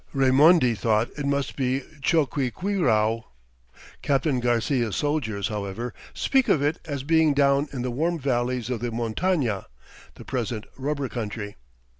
Raimondi thought it must be Choqquequirau. Captain Garcia's soldiers, however, speak of it as being down in the warm valleys of the montaña, the present rubber country.